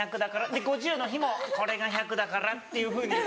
で５０の日もこれが１００だからっていうふうに。